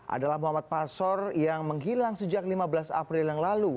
adalah muhammad pasor yang menghilang sejak lima belas april yang lalu